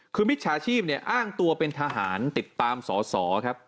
คือมิจฉาชีพเนี่ยอ้างตัวเป็นทหารติดตามสอสอครับ